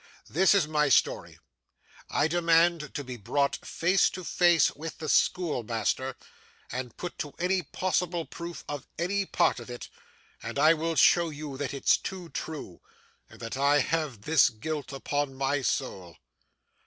This is my story. I demand to be brought face to face with the schoolmaster, and put to any possible proof of any part of it, and I will show that it's too true, and that I have this guilt upon my soul.